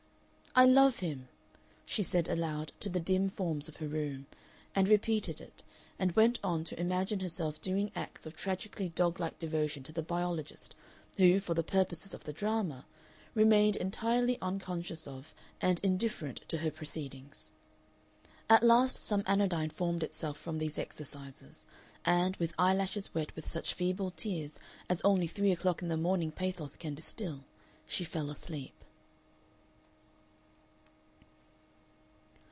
"I love him," she said aloud to the dim forms of her room, and repeated it, and went on to imagine herself doing acts of tragically dog like devotion to the biologist, who, for the purposes of the drama, remained entirely unconscious of and indifferent to her proceedings. At last some anodyne formed itself from these exercises, and, with eyelashes wet with such feeble tears as only three o'clock in the morning pathos can distil, she fell asleep.